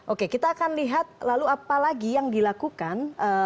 oke kita akan lihat lalu apa lagi yang dilakukan